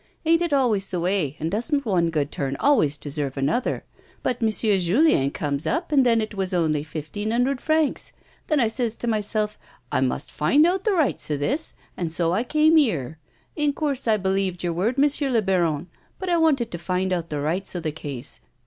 Ain't it always the way, and doesn't one good turn always deserve another] But M'sieu Julien comes up and then it was only fifteen 'undred francs. Then I says to myself, ' I must find out the rights 'o this,' and so I came 'ere. In coorse I b'lieved your word, M'sieu I'baron, but I wanted to find out the rights 'o the case.